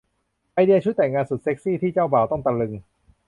ไอเดียชุดแต่งงานสุดเซ็กซี่ ที่เจ้าบ่าวต้องตะลึง